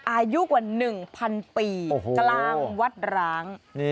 อายุกว่า๑๐๐ปีกลางวัดร้าง